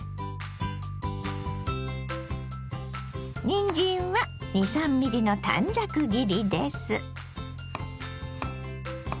にんじんは２３ｍｍの短冊切りです。